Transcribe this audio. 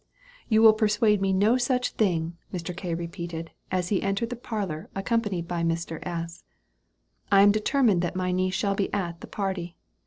"You will persuade me to no such thing," Mr. K. repeated, as he entered the parlor accompanied by Mr. S.; "I am determined that my niece shall be at the party.